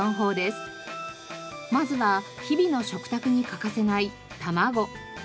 まずは日々の食卓に欠かせない卵。